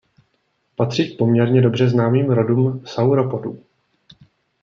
Patří k poměrně dobře známým rodům sauropodů.